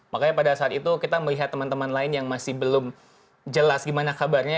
makanya pada saat itu kita melihat teman teman lain yang masih belum jelas gimana kabarnya